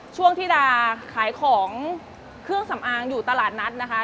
ช่วงธิดาขายของเครื่องสำอางอยู่ตลาดนัดนะคะ